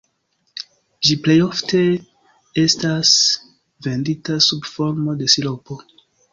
Ĝi plej ofte estas vendita sub formo de siropo.